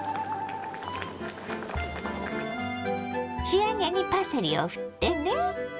仕上げにパセリをふってね。